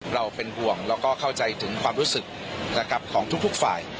เราเป็นห่วงแล้วก็เข้าใจถึงความรู้สึกนะครับของทุกฝ่าย